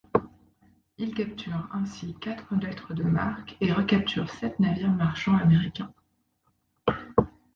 Il capture ainsi quatre lettres de marque et recapture sept navires marchands américains.